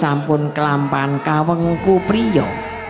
sampun kelampan kawengku priyo